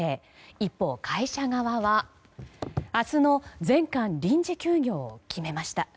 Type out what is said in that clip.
一方、会社側は明日の全館臨時休業を決めました。